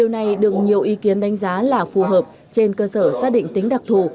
ngay được nhiều ý kiến đánh giá là phù hợp trên cơ sở xác định tính đặc thù